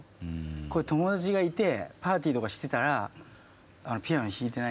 これ友達がいてパーティーとかしてたらピアノ弾いてないんで。